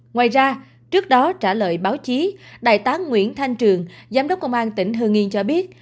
ngoài ra trước đó trả lời báo chí đại tá nguyễn thanh trường giám đốc công an tỉnh hương yên cho biết